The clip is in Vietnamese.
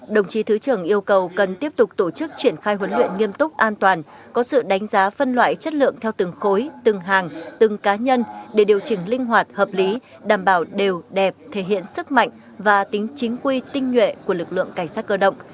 đồng chí thứ trưởng yêu cầu cần tiếp tục tổ chức triển khai huấn luyện nghiêm túc an toàn có sự đánh giá phân loại chất lượng theo từng khối từng hàng từng cá nhân để điều chỉnh linh hoạt hợp lý đảm bảo đều đẹp thể hiện sức mạnh và tính chính quy tinh nhuệ của lực lượng cảnh sát cơ động